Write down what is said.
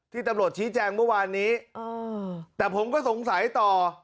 ตำรวจชี้แจงเมื่อวานนี้แต่ผมก็สงสัยต่อ